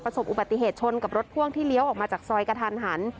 อุบัติเหตุชนกับรถพ่วงที่เลี้ยวออกมาจากซอยกระทันหัน